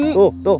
tuh tuh tuh